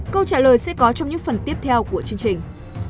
câu trả lời sẽ có trong những phần tiếp theo của chương trình